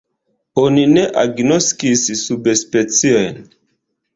Oni ne agnoskis subspeciojn.